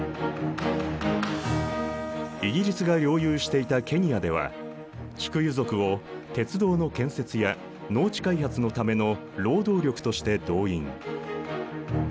イギリスが領有していたケニアではキクユ族を鉄道の建設や農地開発のための労働力として動員。